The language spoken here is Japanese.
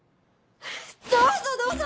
どうぞどうぞ！